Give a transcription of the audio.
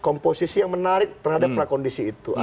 komposisi yang menarik terhadap prakondisi itu